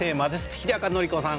日高のり子さん